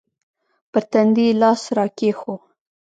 پر تندي يې لاس راکښېښوو.